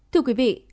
thưa quý vị